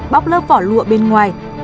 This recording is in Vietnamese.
bóc lớp vỏ lụa bên ngoài